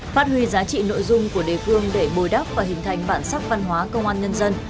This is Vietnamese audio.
phát huy giá trị nội dung của địa phương để bồi đắp và hình thành bản sắc văn hóa công an nhân dân